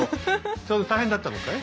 そんな大変だったのかい？